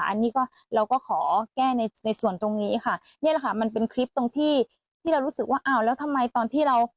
อันนี้ก็เราก็ขอแก้ในในส่วนตรงนี้ค่ะนี่แหละค่ะมันเป็นคลิปตรงที่ที่เรารู้สึกว่าอ้าวแล้วทำไมตอนที่เรา